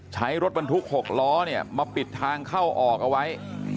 ใช้รถบรรทุก๖ล้อเนี่ยมาปิดทางเข้าออกเอาไว้